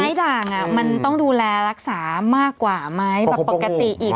ด่างอ่ะมันต้องดูแลรักษามากกว่าไหมแบบปกติอีก